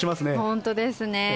本当ですね。